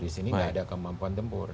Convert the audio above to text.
di sini tidak ada kemampuan tempur